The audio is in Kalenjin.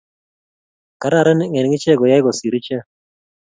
kararan eng ichek koyai kosir ichek